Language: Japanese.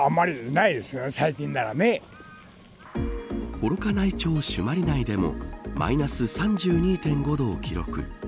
幌加内町朱鞠内でもマイナス３２．５度を記録。